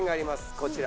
こちら。